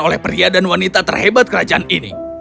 oleh pria dan wanita terhebat kerajaan ini